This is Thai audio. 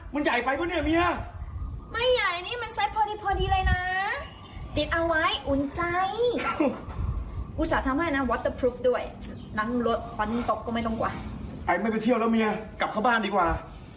ไปไม่ไปเที่ยวแล้วเมียกลับเข้าบ้านดีกว่า